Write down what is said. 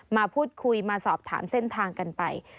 มาพูดคุยมาสอบถามเส้นทางกันไป